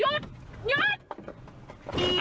หว่อยยยี่ยยยแฟมอิ่น